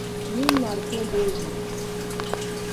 Mili ni alifa nodozo.